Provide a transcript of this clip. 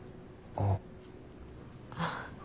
ああ。